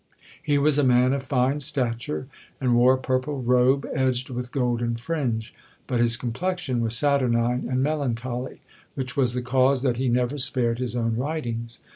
He was a man of fine stature, and wore a purple robe edged with golden fringe. But his complexion was saturnine and melancholy, which was the cause that he never spared his own writings.